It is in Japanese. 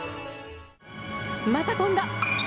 また飛んだ！